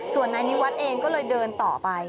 ส่วนนายนิวัฒน์เองก็เลยเดินต่อไป